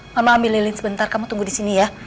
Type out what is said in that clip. mama ambil lilin sebentar kamu tunggu disini ya